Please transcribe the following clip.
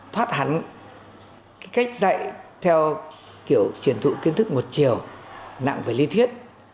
thoát hẳn cách dạy theo kiểu truyền thụ kiến thức một chiều nặng với lý thiết